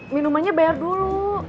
minumannya bayar dulu